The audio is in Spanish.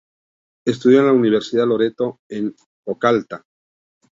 Estudió en la Universidad Loreto en Kolkata.